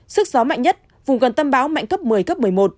sức gió mạnh nhất vùng gần tâm bão mạnh cấp một mươi cấp một mươi một